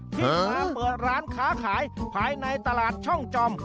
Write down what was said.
ที่มาเปิดร้านค้าขายภายในตลาดช่องจอม